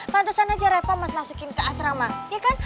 pantasan aja refah mas masukin ke asrama ya kan